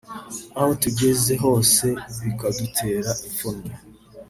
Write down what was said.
aho tugeze hose bikadutera ipfunwe